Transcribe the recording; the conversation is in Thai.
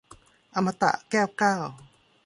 อมตะ - แก้วเก้า